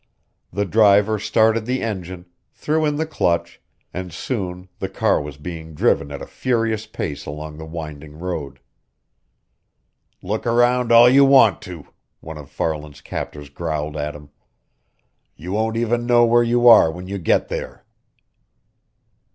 The driver started the engine, threw in the clutch, and soon the car was being driven at a furious pace along the winding road. "Look around all you want to!" one of Farland's captors growled at him. "You won't even know where you are when you get there!"